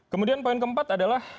kemudian poin keempat adalah